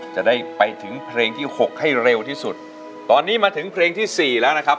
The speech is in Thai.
จะได้ไปถึงเพลงที่หกให้เร็วที่สุดตอนนี้มาถึงเพลงที่สี่แล้วนะครับ